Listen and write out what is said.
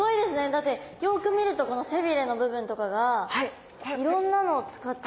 だってよく見るとこの背鰭の部分とかがいろんなのを使って。